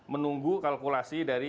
menunggu kalkulasi dari